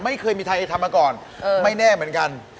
ไม่เคยมีใครทำมาก่อนไม่แน่เหมือนกัน